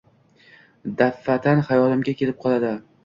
Daf’atan xayolimga kelib qoladi.